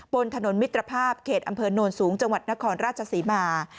บนถนนมิตรภาพเขตอำเภอโนนสูงจังหวัดนครราชศรีมา